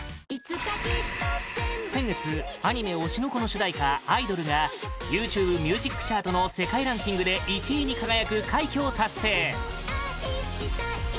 先月、アニメ「推しの子」の主題歌「アイドル」が ＹｏｕＴｕｂｅＭｕｓｉｃ チャートの世界ランキングで１位に輝く快挙を達成！